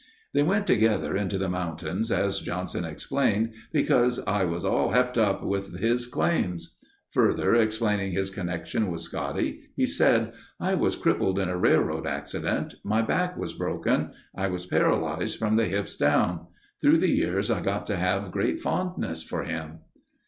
They went together into the mountains as Johnson explained, "because I was all hepped up with his ... claims." Further explaining his connection with Scotty, he said: "I was crippled in a railroad accident. My back was broken. I was paralyzed from the hips down. Through the years I got to have a great fondness for him."